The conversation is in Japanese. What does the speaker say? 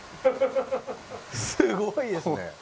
すごいですね。